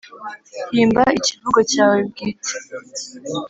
himba ikivugo cyawe bwite